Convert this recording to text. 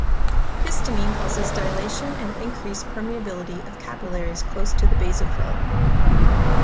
Histamine causes dilation and increased permeability of capillaries close to the basophil.